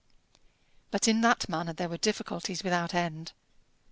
But in that matter there were difficulties without end.